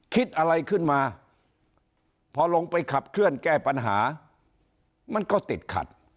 คิดอะไรขึ้นมาพอลงไปขับเคลื่อนแก้ปัญหามันก็ติดขัด